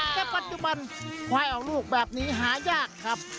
แต่ปัจจุบันควายออกลูกแบบนี้หายากครับ